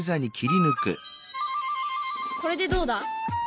これでどうだ？